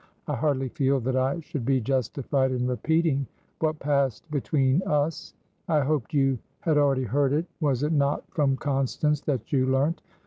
I hardly feel that I should be justified in repeating what passed between us. I hoped you had already heard it. Was it not from Constance that you learnt?"